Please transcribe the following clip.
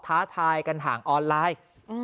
ท้าทายกันห่างออนไลน์